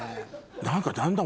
何かだんだん。